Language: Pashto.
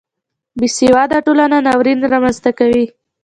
بې سواده ټولنه ناورین رامنځته کوي